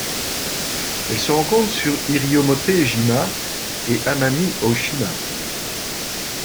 Elle se rencontre sur Iriomote-jima et Amami-Ōshima.